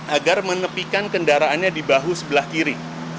agar menepikan kendaraannya di bahu sebelah kiri